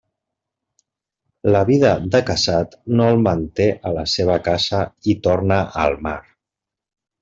La vida de casat no el manté a la seva casa i torna al mar.